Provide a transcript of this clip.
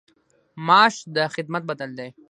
معاش د خدمت بدل دی